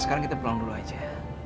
sekarang kita pulang dulu aja